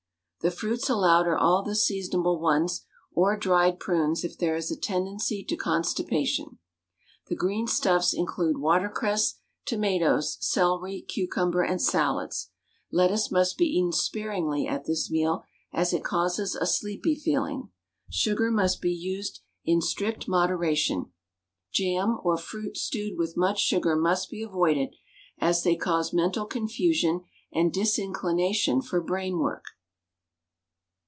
The fruits allowed are all the seasonable ones, or dried prunes if there is a tendency to constipation. The green stuffs include watercress, tomatoes, celery, cucumber, and salads. Lettuce must be eaten sparingly at this meal, as it causes a sleepy feeling. Sugar must be used in strict moderation; jam, or fruits stewed with much sugar must be avoided, as they cause mental confusion and disinclination for brain work.